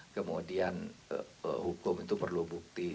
kemudian hukum itu perlu bukti